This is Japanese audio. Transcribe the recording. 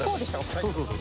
そうそうそう。